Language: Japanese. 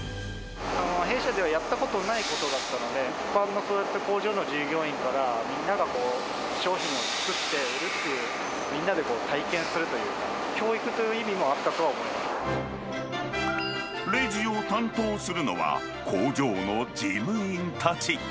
弊社ではやったことないことだったので、一般の工場の従業員から、みんなで商品を作って売るっていう、みんなで体験するという、教育という意味もあったとはレジを担当するのは、工場の事務員たち。